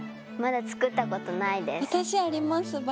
まだ作ったことないです。